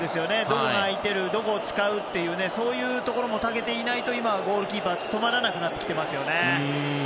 どこが空いているどこを使うというそういうところにも長けていないと今はゴールキーパーは務まらなくなってきてますよね。